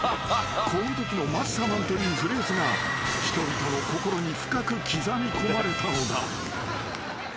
このときのマッサマンというフレーズが人々の心に深く刻みこまれたのだ］